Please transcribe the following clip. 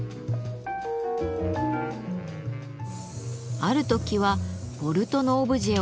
ある時はボルトのオブジェを手作り。